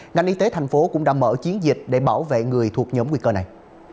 ngành y tế tp hcm cũng đã mở chiến dịch để bảo vệ người thuộc nhóm nguy cơ này